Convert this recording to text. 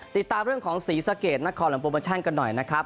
ติดตามเรื่องของศรีสะเกดนครหลวงโปรโมชั่นกันหน่อยนะครับ